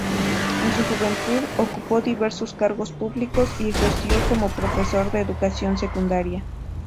En su juventud ocupó diversos cargos públicos y ejerció como profesor de educación secundaria.